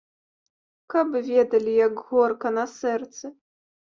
Каб ведалі, як горка на сэрцы.